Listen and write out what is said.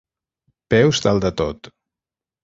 Peus dalt de tot.